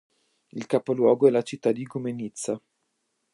Il capoluogo è la città di Igoumenitsa.